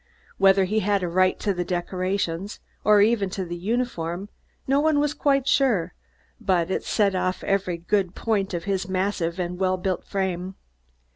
Whether he had a right to the decorations, or even the uniform, no one was quite sure, but it set off every good point of his massive, well built frame.